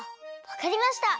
わかりました！